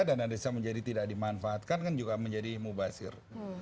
dana desa menjadi tidak dimanfaatkan kan juga menjadi mubasir